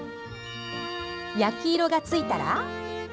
焼き色がついたら。